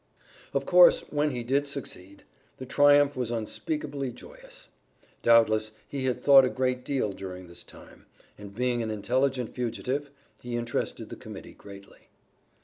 Of course, when he did succeed, the triumph was unspeakably joyous. Doubtless, he had thought a great deal during this time, and being an intelligent fugitive, he interested the Committee greatly.